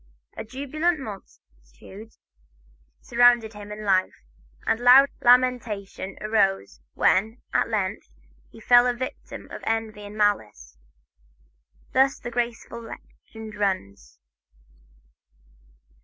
A jubilant multitude surrounded him in life, and loud lamentation arose, when, at length, he fell a victim to envy and malice. Thus the graceful legend runs.